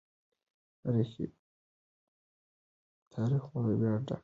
تاریخ مو له ویاړه ډک دی.